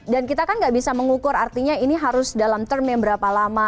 dan kita kan nggak bisa mengukur artinya ini harus dalam term yang berapa lama